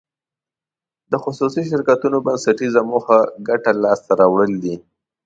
د خصوصي شرکتونو بنسټیزه موخه ګټه لاس ته راوړل دي.